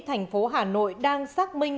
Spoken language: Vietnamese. thành phố hà nội đang xác minh